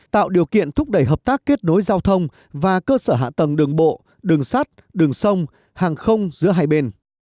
tạo điều kiện thúc đẩy hợp tác kết nối giao thông và cơ sở hạ tầng đường bộ đường sắt đường sông hàng không giữa hai bên